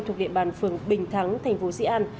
thuộc địa bàn phường bình thắng thành phố dị an